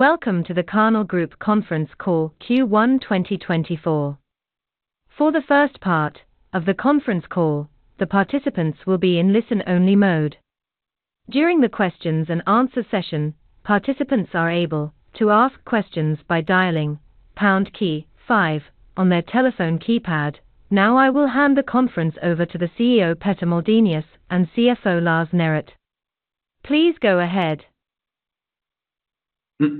Welcome to the Karnell Group Conference Call Q1 2024. For the first part of the conference call, the participants will be in listen-only mode. During the questions-and-answers session, participants are able to ask questions by dialing pound key five on their telephone keypad. Now I will hand the conference over to the CEO Petter Moldenius and CFO Lars Neret. Please go ahead. Good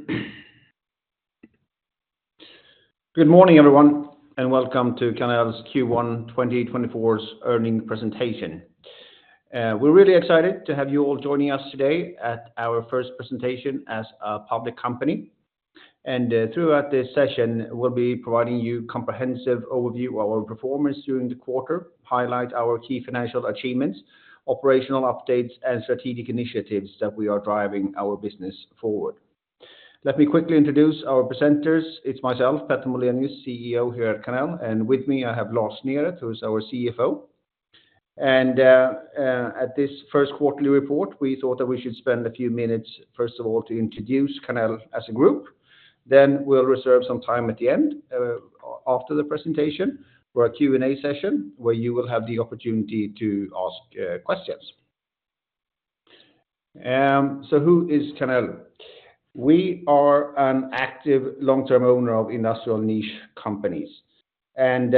morning, everyone, and welcome to Karnell's Q1 2024's earnings presentation. We're really excited to have you all joining us today at our first presentation as a public company. Throughout this session, we'll be providing you a comprehensive overview of our performance during the quarter, highlight our key financial achievements, operational updates, and strategic initiatives that we are driving our business forward. Let me quickly introduce our presenters. It's myself, Petter Moldenius, CEO here at Karnell, and with me I have Lars Neret, who is our CFO. At this first quarterly report, we thought that we should spend a few minutes, first of all, to introduce Karnell as a group. We'll reserve some time at the end after the presentation for a Q&A session where you will have the opportunity to ask questions. Who is Karnell? We are an active long-term owner of industrial niche companies, and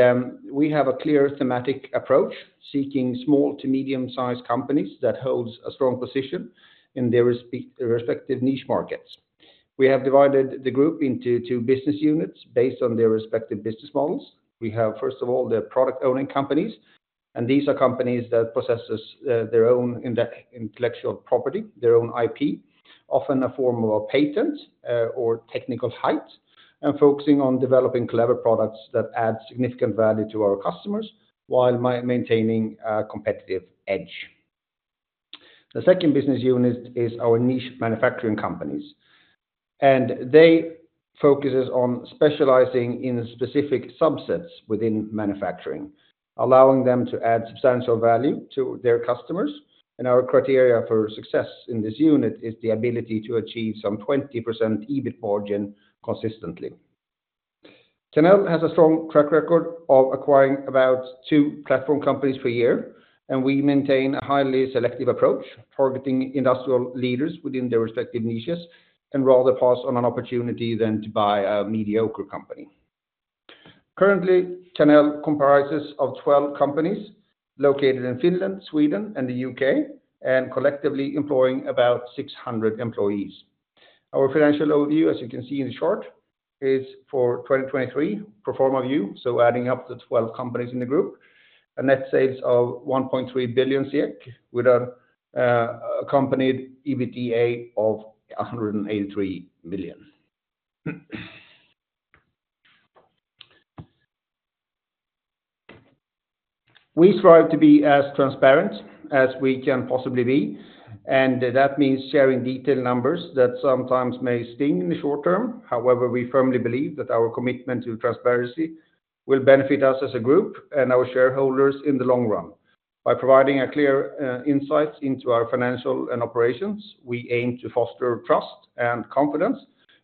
we have a clear thematic approach seeking small to medium-sized companies that hold a strong position in their respective niche markets. We have divided the group into two business units based on their respective business models. We have, first of all, the product-owning companies, and these are companies that possess their own intellectual property, their own IP, often a form of a patent or technical know-how, and focusing on developing clever products that add significant value to our customers while maintaining a competitive edge. The second business unit is our niche manufacturing companies, and they focus on specializing in specific subsets within manufacturing, allowing them to add substantial value to their customers. Our criteria for success in this unit is the ability to achieve some 20% EBITA margin consistently. Karnell has a strong track record of acquiring about two platform companies per year, and we maintain a highly selective approach targeting industrial leaders within their respective niches and rather pass on an opportunity than to buy a mediocre company. Currently, Karnell comprises 12 companies located in Finland, Sweden, and the U.K., and collectively employing about 600 employees. Our financial overview, as you can see in the chart, is for 2023, pro forma view, so adding up the 12 companies in the group, a net sales of 1.3 billion with an accompanied EBITA of 183 million. We strive to be as transparent as we can possibly be, and that means sharing detailed numbers that sometimes may sting in the short term. However, we firmly believe that our commitment to transparency will benefit us as a group and our shareholders in the long run. By providing clear insights into our financial and operations, we aim to foster trust and confidence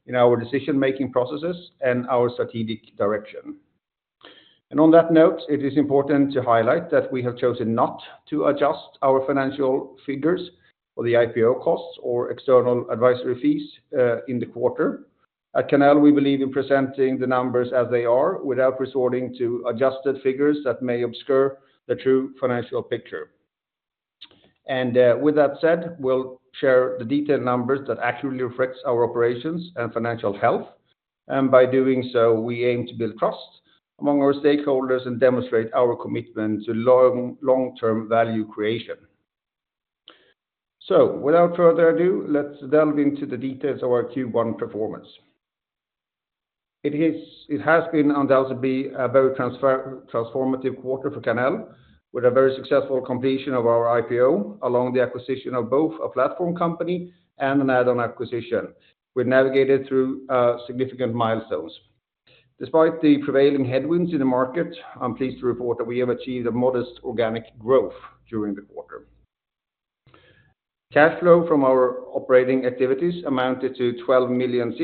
in our decision-making processes and our strategic direction. And on that note, it is important to highlight that we have chosen not to adjust our financial figures for the IPO costs or external advisory fees in the quarter. At Karnell, we believe in presenting the numbers as they are without resorting to adjusted figures that may obscure the true financial picture. And with that said, we'll share the detailed numbers that accurately reflect our operations and financial health. And by doing so, we aim to build trust among our stakeholders and demonstrate our commitment to long-term value creation. So without further ado, let's delve into the details of our Q1 performance. It has been undoubtedly a very transformative quarter for Karnell with a very successful completion of our IPO along the acquisition of both a platform company and an add-on acquisition. We navigated through significant milestones. Despite the prevailing headwinds in the market, I'm pleased to report that we have achieved a modest organic growth during the quarter. Cash flow from our operating activities amounted to 12 million,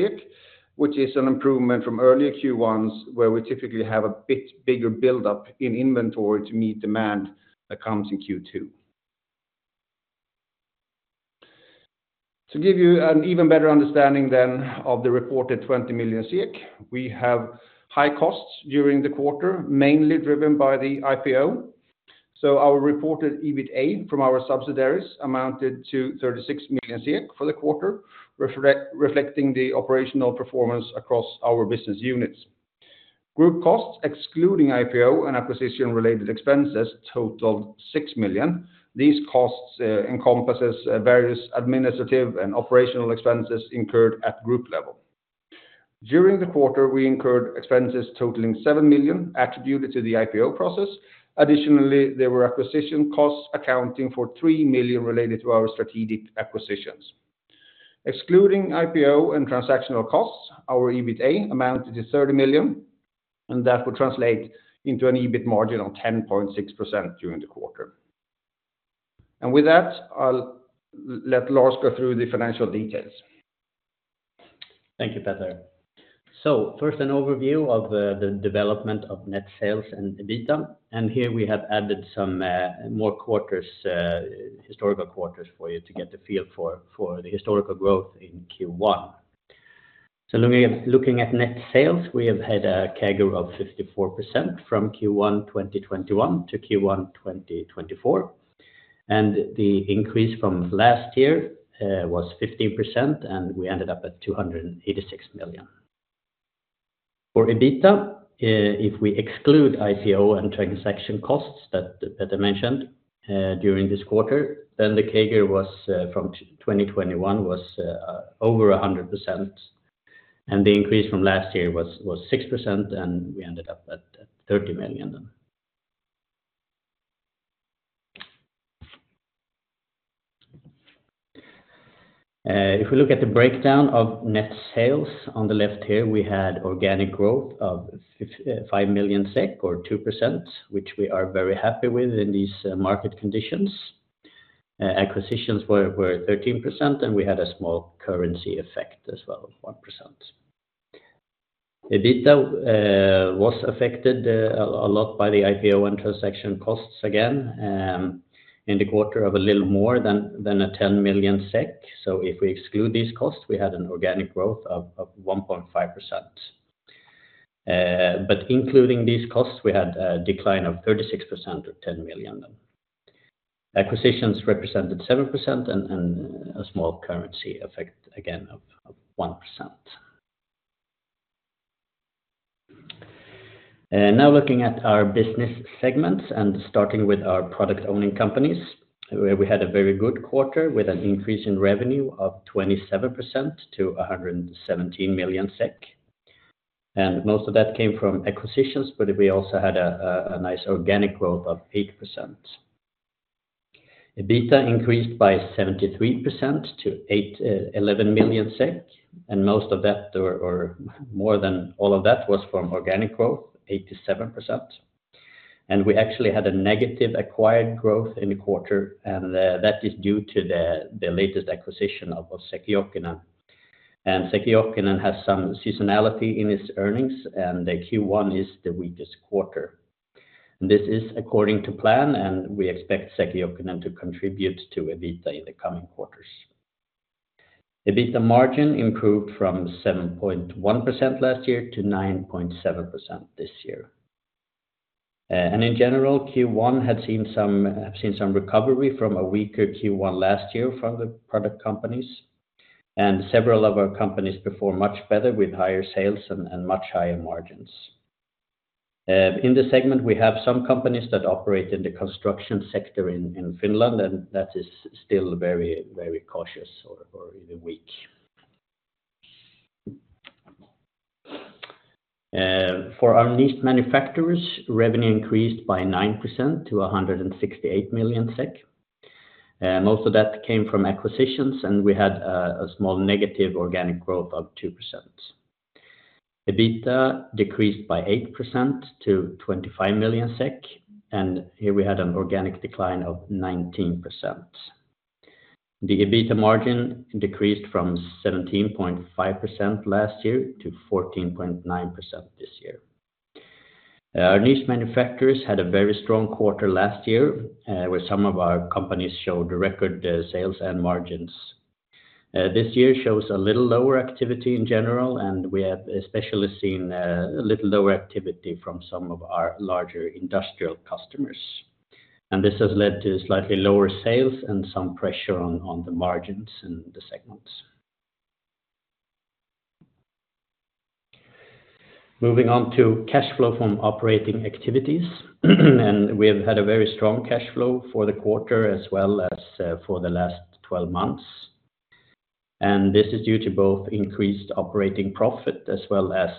which is an improvement from earlier Q1s where we typically have a bit bigger buildup in inventory to meet demand that comes in Q2. To give you an even better understanding then of the reported 20 million, we have high costs during the quarter, mainly driven by the IPO. So our reported EBITA from our subsidiaries amounted to 36 million for the quarter, reflecting the operational performance across our business units. Group costs excluding IPO and acquisition-related expenses totaled 6 million. These costs encompass various administrative and operational expenses incurred at group level. During the quarter, we incurred expenses totaling 7 million attributed to the IPO process. Additionally, there were acquisition costs accounting for 3 million related to our strategic acquisitions. Excluding IPO and transactional costs, our EBITA amounted to 30 million, and that would translate into an EBIT margin of 10.6% during the quarter. With that, I'll let Lars go through the financial details. Thank you, Petter. So first, an overview of the development of net sales and EBITA. And here we have added some more quarters, historical quarters for you to get a feel for the historical growth in Q1. So looking at net sales, we have had a CAGR of 54% from Q1 2021 to Q1 2024. And the increase from last year was 15%, and we ended up at 286 million. For EBITA, if we exclude IPO and transaction costs that Petter mentioned during this quarter, then the CAGR from 2021 was over 100%. And the increase from last year was 6%, and we ended up at 30 million then. If we look at the breakdown of net sales on the left here, we had organic growth of 5 million SEK or 2%, which we are very happy with in these market conditions. Acquisitions were 13%, and we had a small currency effect as well, 1%. EBITA was affected a lot by the IPO and transaction costs again in the quarter of a little more than 10 million SEK. So if we exclude these costs, we had an organic growth of 1.5%. But including these costs, we had a decline of 36% or 10 million then. Acquisitions represented 7% and a small currency effect again of 1%. Now looking at our business segments and starting with our product-owning companies, we had a very good quarter with an increase in revenue of 27% to 117 million SEK. Most of that came from acquisitions, but we also had a nice organic growth of 8%. EBITA increased by 73% to 11 million SEK, and most of that, or more than all of that, was from organic growth, 87%. We actually had a negative acquired growth in the quarter, and that is due to the latest acquisition of Sähkö-Jokinen. Sähkö-Jokinen has some seasonality in its earnings, and Q1 is the weakest quarter. This is according to plan, and we expect Sähkö-Jokinen to contribute to EBITA in the coming quarters. EBITA margin improved from 7.1% last year to 9.7% this year. In general, Q1 had seen some recovery from a weaker Q1 last year from the product companies, and several of our companies perform much better with higher sales and much higher margins. In the segment, we have some companies that operate in the construction sector in Finland, and that is still very, very cautious or even weak. For our niche manufacturers, revenue increased by 9% to 168 million SEK. Most of that came from acquisitions, and we had a small negative organic growth of 2%. EBITA decreased by 8% to 25 million SEK, and here we had an organic decline of 19%. The EBITA margin decreased from 17.5% last year to 14.9% this year. Our niche manufacturers had a very strong quarter last year where some of our companies showed record sales and margins. This year shows a little lower activity in general, and we have especially seen a little lower activity from some of our larger industrial customers. This has led to slightly lower sales and some pressure on the margins and the segments. Moving on to cash flow from operating activities, we have had a very strong cash flow for the quarter as well as for the last 12 months. This is due to both increased operating profit as well as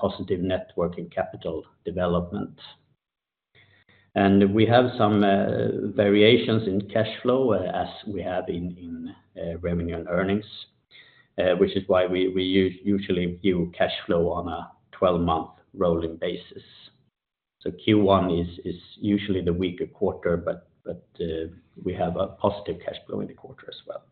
positive net working capital development. We have some variations in cash flow as we have in revenue and earnings, which is why we usually view cash flow on a 12 month rolling basis. Q1 is usually the weaker quarter, but we have a positive cash flow in the quarter as well.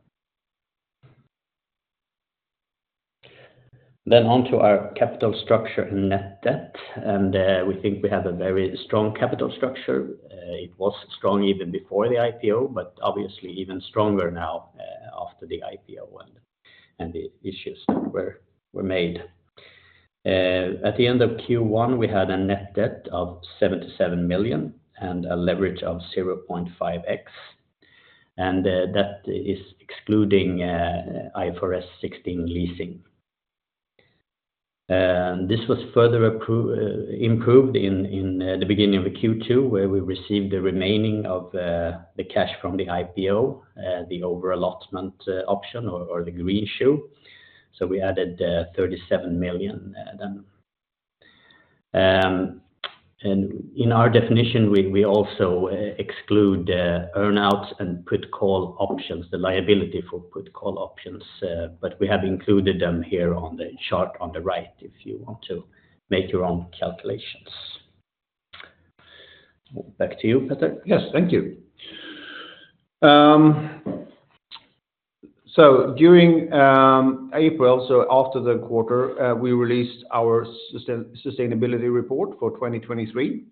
Onto our capital structure and net debt, and we think we have a very strong capital structure. It was strong even before the IPO, but obviously even stronger now after the IPO and the issues that were made. At the end of Q1, we had a net debt of 77 million and a leverage of 0.5x, and that is excluding IFRS 16 leasing. This was further improved in the beginning of Q2 where we received the remaining of the cash from the IPO, the overallotment option or the Greenshoe. We added SEK 37 million then. In our definition, we also exclude earn-out and put-call options, the liability for put-call options, but we have included them here on the chart on the right if you want to make your own calculations. Back to you, Petter. Yes, thank you. During April, so after the quarter, we released our sustainability report for 2023,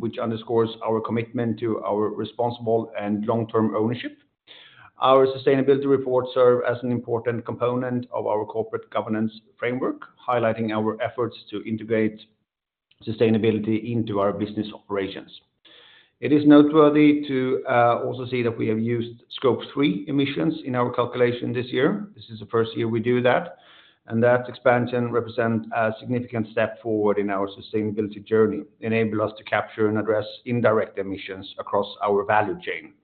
which underscores our commitment to our responsible and long-term ownership. Our sustainability reports serve as an important component of our corporate governance framework, highlighting our efforts to integrate sustainability into our business operations. It is noteworthy to also see that we have used Scope 3 emissions in our calculation this year. This is the first year we do that. That expansion represents a significant step forward in our sustainability journey, enabling us to capture and address indirect emissions across our value chain.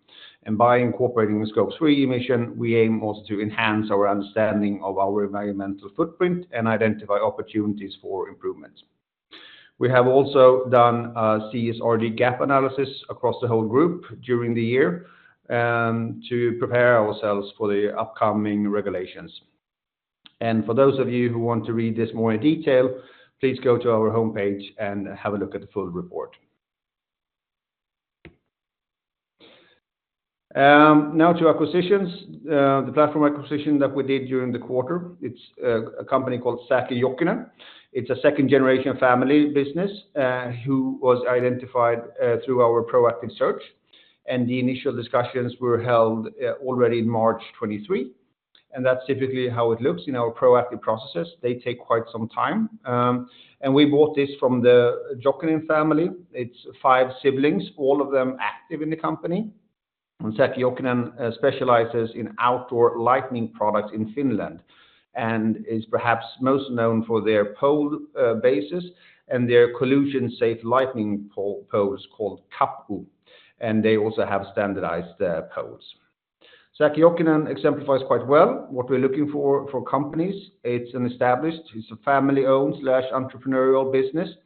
By incorporating a Scope 3 emission, we aim also to enhance our understanding of our environmental footprint and identify opportunities for improvement. We have also done CSRD gap analysis across the whole group during the year to prepare ourselves for the upcoming regulations. For those of you who want to read this more in detail, please go to our homepage and have a look at the full report. Now to acquisitions, the platform acquisition that we did during the quarter, it's a company called Sähkö-Jokinen. It's a second-generation family business who was identified through our proactive search. And the initial discussions were held already in March 2023. And that's typically how it looks in our proactive processes. They take quite some time. And we bought this from the Jokinen family. It's five siblings, all of them active in the company. And Sähkö-Jokinen specializes in outdoor lighting products in Finland and is perhaps most known for their pole bases and their collision-safe lighting poles called KAPU. And they also have standardized poles. Sähkö-Jokinen exemplifies quite well what we're looking for for companies. It's an established, it's a family-owned/entrepreneurial business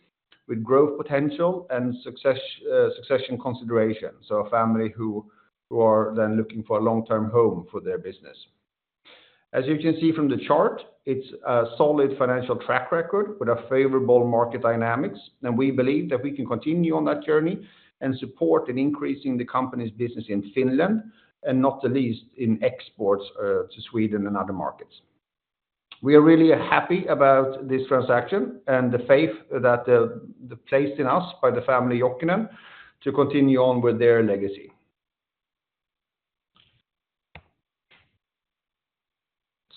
with growth potential and succession consideration. So a family who are then looking for a long-term home for their business. As you can see from the chart, it's a solid financial track record with favorable market dynamics. And we believe that we can continue on that journey and support in increasing the company's business in Finland and not the least in exports to Sweden and other markets. We are really happy about this transaction and the faith that the family places in us to continue on with their legacy.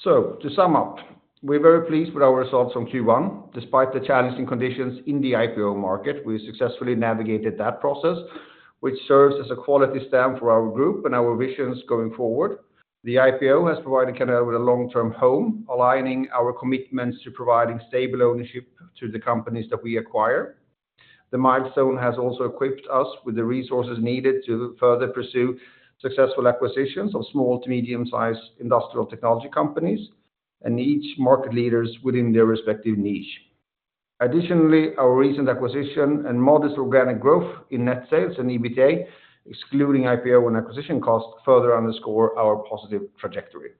So to sum up, we're very pleased with our results from Q1. Despite the challenging conditions in the IPO market, we successfully navigated that process, which serves as a quality stamp for our group and our visions going forward. The IPO has provided Karnell with a long-term home, aligning our commitments to providing stable ownership to the companies that we acquire. The milestone has also equipped us with the resources needed to further pursue successful acquisitions of small to medium-sized industrial technology companies and niche market leaders within their respective niche. Additionally, our recent acquisition and modest organic growth in net sales and EBITA, excluding IPO and acquisition costs, further underscore our positive trajectory.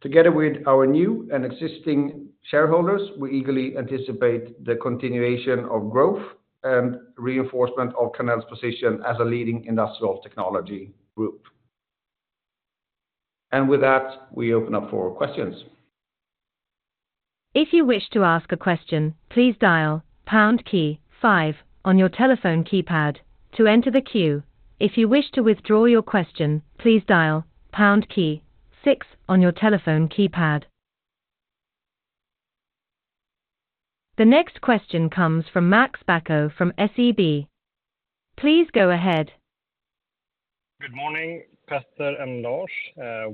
Together with our new and existing shareholders, we eagerly anticipate the continuation of growth and reinforcement of Karnell's position as a leading industrial technology group. With that, we open up for questions. If you wish to ask a question, please dial pound key five on your telephone keypad to enter the queue. If you wish to withdraw your question, please dial pound key six on your telephone keypad. The next question comes from Max Bäck from SEB. Please go ahead. Good morning, Petter and Lars.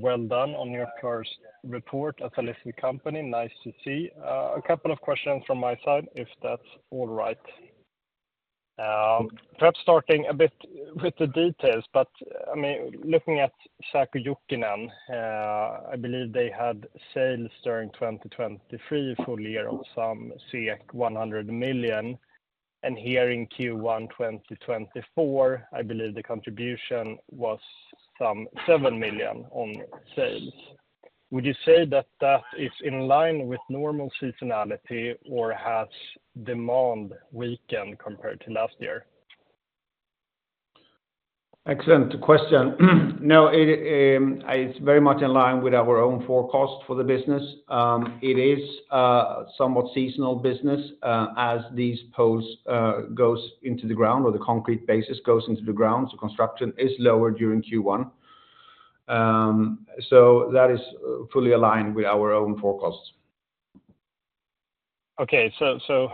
Well done on your first report as a listed company. Nice to see. A couple of questions from my side, if that's all right. Perhaps starting a bit with the details, but looking at Sähkö-Jokinen, I believe they had sales during 2023, full year of some 100 million. And here in Q1 2024, I believe the contribution was some 7 million on sales. Would you say that that is in line with normal seasonality or has demand weakened compared to last year? Excellent question. No, it's very much in line with our own forecast for the business. It is somewhat seasonal business as these poles go into the ground or the concrete base goes into the ground. So construction is lowered during Q1. That is fully aligned with our own forecasts. Okay, so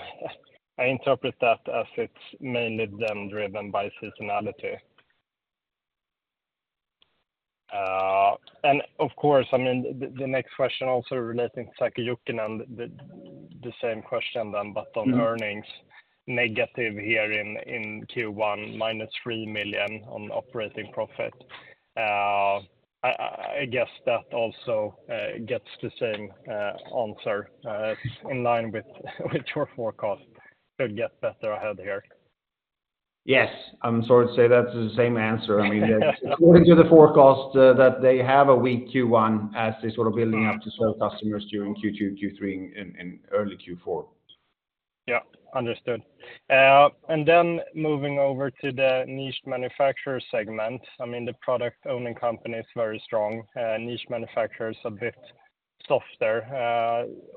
I interpret that as it's mainly them driven by seasonality. And of course, the next question also relating to Sähkö-Jokinen, the same question then, but on earnings, negative here in Q1, -3 million on operating profit. I guess that also gets the same answer. It's in line with your forecast. It would get better ahead here. Yes, I'm sorry to say that's the same answer. According to the forecast, they have a weak Q1 as they sort of build up to sell customers during Q2, Q3, and early Q4. Yeah, understood. And then moving over to the niche manufacturer segment, the product-owning company is very strong. Niche manufacturers are a bit softer.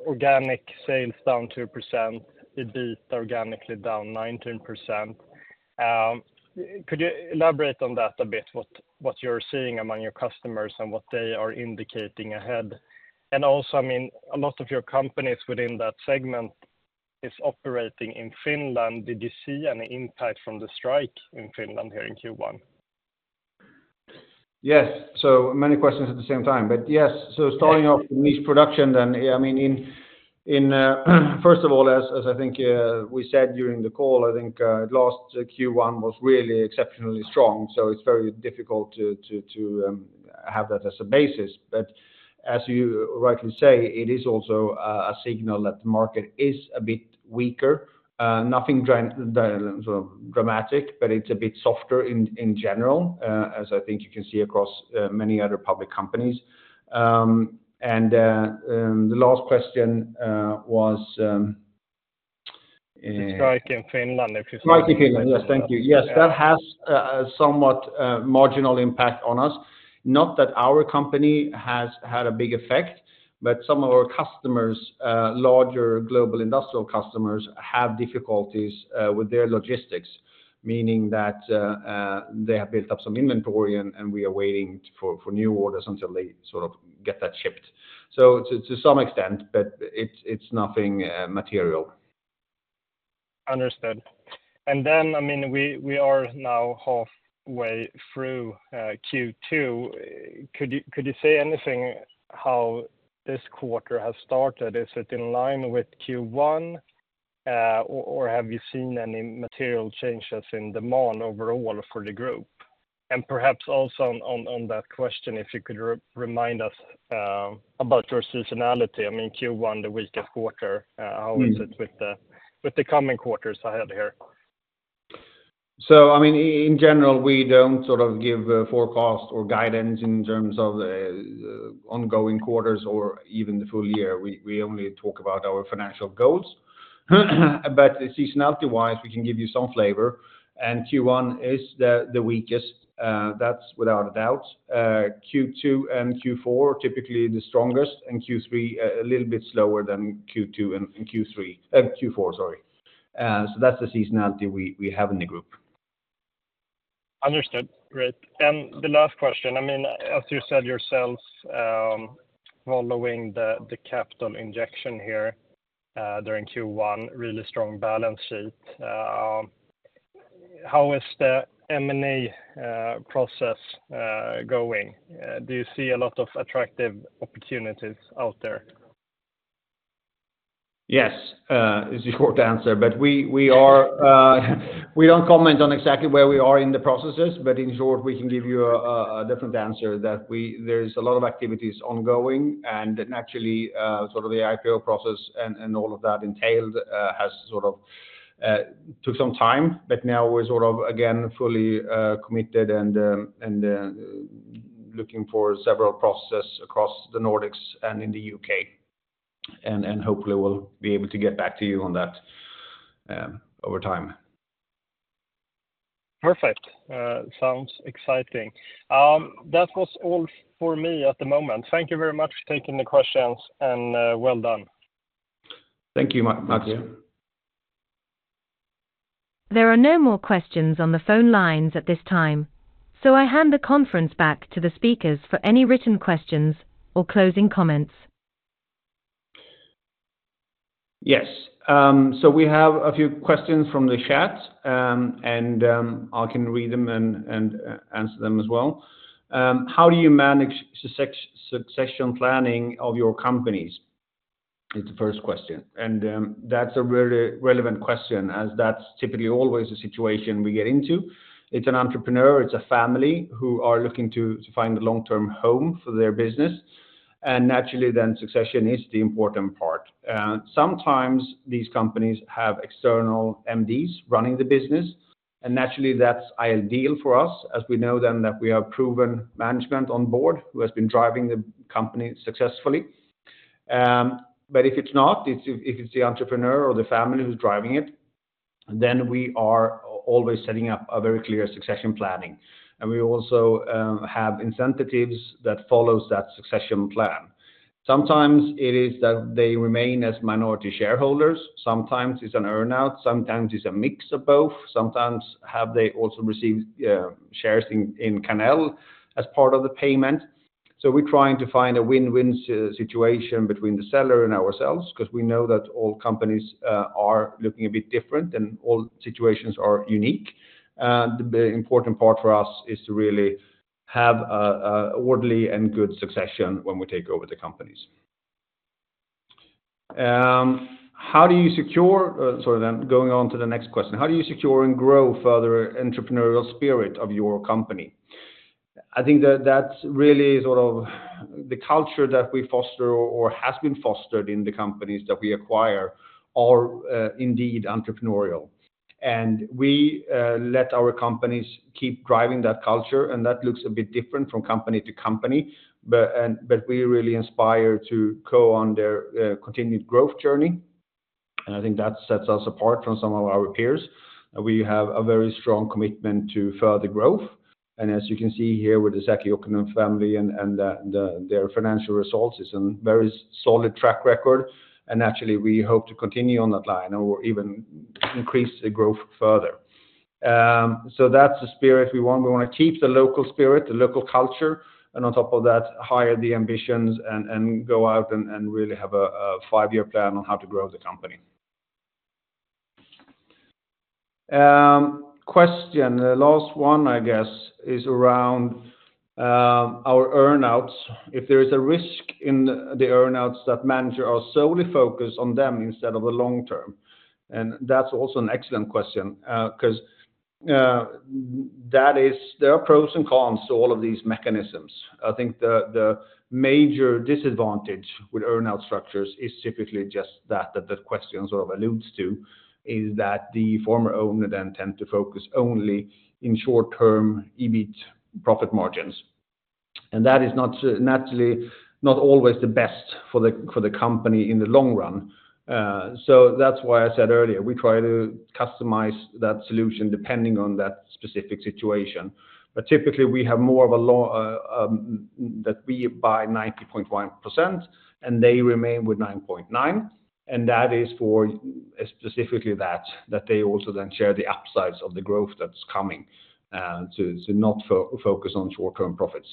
Organic sales down 2%. EBITA organically down 19%. Could you elaborate on that a bit, what you're seeing among your customers and what they are indicating ahead? And also, a lot of your companies within that segment is operating in Finland. Did you see any impact from the strike in Finland here in Q1? Yes, so many questions at the same time. But yes, so starting off with niche production then, first of all, as I think we said during the call, I think last Q1 was really exceptionally strong. So it's very difficult to have that as a basis. But as you rightly say, it is also a signal that the market is a bit weaker. Nothing dramatic, but it's a bit softer in general, as I think you can see across many other public companies. And the last question was. The strike in Finland, if you said. Strike in Finland, yes, thank you. Yes, that has somewhat marginal impact on us. Not that our company has had a big effect, but some of our customers, larger global industrial customers, have difficulties with their logistics, meaning that they have built up some inventory and we are waiting for new orders until they sort of get that shipped. So to some extent, but it's nothing material. Understood. Then, we are now halfway through Q2. Could you say anything how this quarter has started? Is it in line with Q1 or have you seen any material changes in demand overall for the group? Perhaps also on that question, if you could remind us about your seasonality. Q1, the weakest quarter. How is it with the coming quarters ahead here? In general, we don't sort of give forecasts or guidance in terms of ongoing quarters or even the full year. We only talk about our financial goals. But seasonality-wise, we can give you some flavor. Q1 is the weakest. That's without a doubt. Q2 and Q4 are typically the strongest and Q3 a little bit slower than Q2 and Q3, Q4, sorry. So that's the seasonality we have in the group. Understood. Great. The last question, as you said yourselves, following the capital injection here during Q1, really strong balance sheet. How is the M&A process going? Do you see a lot of attractive opportunities out there? Yes, is the short answer. But we don't comment on exactly where we are in the processes, but in short, we can give you a different answer that there's a lot of activities ongoing and naturally sort of the IPO process and all of that entailed took some time. But now we're sort of, again, fully committed and looking for several processes across the Nordics and in the U.K. And hopefully, we'll be able to get back to you on that over time. Perfect. Sounds exciting. That was all for me at the moment. Thank you very much for taking the questions and well done. Thank you much, Max. There are no more questions on the phone lines at this time, so I hand the conference back to the speakers for any written questions or closing comments. Yes. So we have a few questions from the chat and I can read them and answer them as well. How do you manage succession planning of your companies? Is the first question. And that's a really relevant question as that's typically always a situation we get into. It's an entrepreneur, it's a family who are looking to find a long-term home for their business. And naturally then, succession is the important part. Sometimes these companies have external MDs running the business. And naturally, that's ideal for us as we know then that we have proven management on board who has been driving the company successfully. But if it's not, if it's the entrepreneur or the family who's driving it, then we are always setting up a very clear succession planning. And we also have incentives that follow that succession plan. Sometimes it is that they remain as minority shareholders. Sometimes it's an earnout. Sometimes it's a mix of both. Sometimes have they also received shares in Karnell as part of the payment. We're trying to find a win-win situation between the seller and ourselves because we know that all companies are looking a bit different and all situations are unique. The important part for us is to really have an orderly and good succession when we take over the companies. How do you secure sort of then going on to the next question, how do you secure and grow further entrepreneurial spirit of your company? I think that that's really sort of the culture that we foster or has been fostered in the companies that we acquire are indeed entrepreneurial. We let our companies keep driving that culture. That looks a bit different from company to company. But we really inspire to co-own their continued growth journey. And I think that sets us apart from some of our peers. We have a very strong commitment to further growth. And as you can see here with the Sähkö-Jokinen family and their financial results, it's a very solid track record. And naturally, we hope to continue on that line or even increase the growth further. So that's the spirit we want. We want to keep the local spirit, the local culture, and on top of that, hire the ambitions and go out and really have a five-year plan on how to grow the company. Question, the last one, I guess, is around our earnouts. If there is a risk in the earnouts that manager are solely focused on them instead of the long term. That's also an excellent question because there are pros and cons to all of these mechanisms. I think the major disadvantage with earnout structures is typically just that, that the question sort of alludes to is that the former owner then tends to focus only on short-term EBIT profit margins. And that is naturally not always the best for the company in the long run. So that's why I said earlier, we try to customize that solution depending on that specific situation. But typically, we have more of a that we buy 90.1% and they remain with 9.9%. And that is for specifically that, that they also then share the upsides of the growth that's coming to not focus on short-term profits.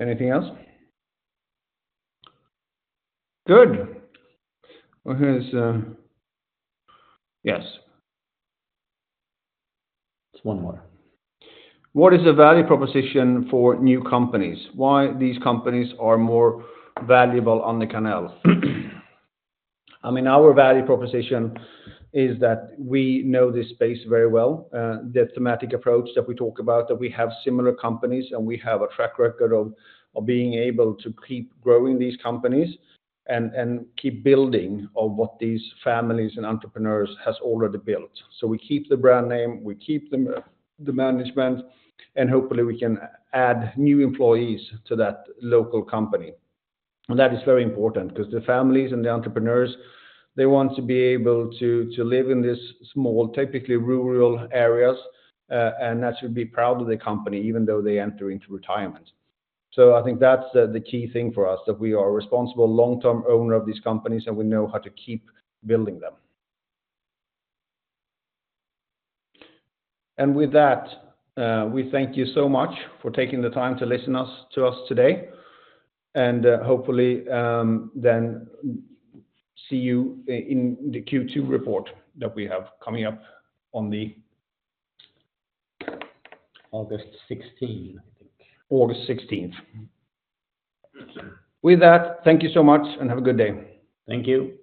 Anything else? Good. Yes. It's one more. What is a value proposition for new companies? Why these companies are more valuable under Karnell? Our value proposition is that we know this space very well, the thematic approach that we talk about, that we have similar companies and we have a track record of being able to keep growing these companies and keep building of what these families and entrepreneurs have already built. We keep the brand name, we keep the management, and hopefully, we can add new employees to that local company. That is very important because the families and the entrepreneurs, they want to be able to live in these small, typically rural areas, and naturally be proud of the company even though they enter into retirement. I think that's the key thing for us, that we are a responsible long-term owner of these companies and we know how to keep building them. With that, we thank you so much for taking the time to listen to us today. Hopefully, then see you in the Q2 report that we have coming up on the. August 16, I think. August 16th. With that, thank you so much and have a good day. Thank you.